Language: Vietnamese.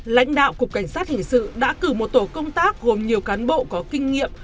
lãnh đạo cục cảnh sát hình sự đã cử một tổ công tác gồm nhiều cán bộ có kinh nghiệm